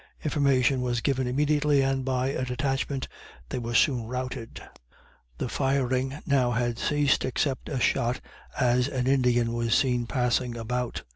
Information was given immediately, and by a detachment they were soon routed. The firing now had ceased, except a shot as an Indian was seen passing about.